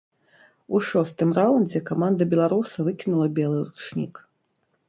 У шостым раўндзе каманда беларуса выкінула белы ручнік.